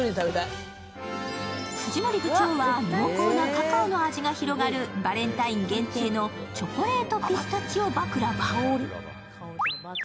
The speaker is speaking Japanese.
藤森部長は濃厚なカカオの味が広がるバレンタイン限定のチョコレート・ピスタチオ・バクラヴァ。